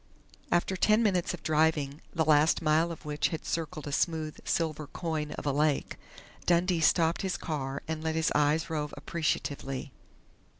After ten minutes of driving, the last mile of which had circled a smooth silver coin of a lake, Dundee stopped his car and let his eyes rove appreciatively.